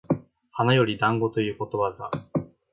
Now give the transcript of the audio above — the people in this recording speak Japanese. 花より団子ということわざ